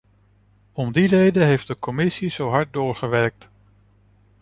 Om die reden heeft de commissie zo hard doorgewerkt.